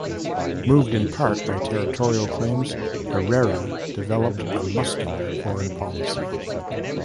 Moved in part by territorial claims, Herrera developed a muscular foreign policy.